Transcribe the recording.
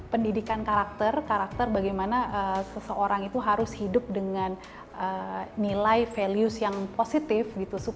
pendidikan karakter karakter bagaimana seseorang itu harus hidup dengan nilai values yang positif